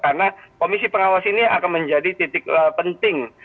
karena komisi pengawas ini akan menjadi titik penting